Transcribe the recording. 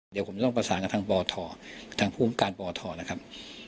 เดี๋ยวผมจะต้องประสานกับทางปททางภูมิการปทนะครับ